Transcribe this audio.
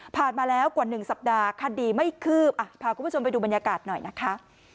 มาแล้วกว่า๑สัปดาห์คดีไม่คืบพาคุณผู้ชมไปดูบรรยากาศหน่อยนะคะ